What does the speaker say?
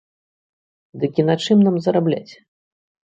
Дык і на чым нам зарабляць?